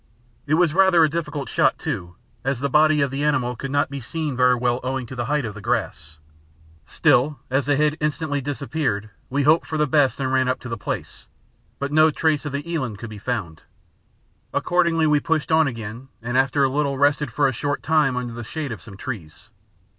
It was rather a difficult shot, too, as the body of the animal could not be seen very well owing to the height of the grass; still, as the head instantly disappeared we hoped for the best and ran up to the place, but no trace of the eland could be found. Accordingly we pushed on again and after a little rested for a short time under the shade of some trees.